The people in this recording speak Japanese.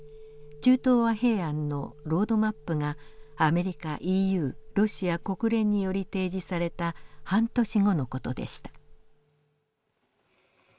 中東和平案のロードマップがアメリカ・ＥＵ・ロシア・国連により提示された半年後の事でした。